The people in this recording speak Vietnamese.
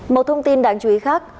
một thông tin đáng chú ý khác